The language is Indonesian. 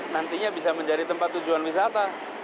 nantinya bisa menjadi tempat tujuan wisata